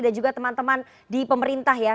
dan juga teman teman di pemerintah ya